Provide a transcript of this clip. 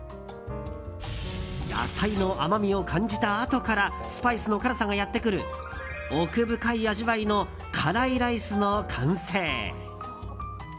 野菜の甘みを感じたあとからスパイスの辛さがやってくる奥深い味わいの辛来飯の完成。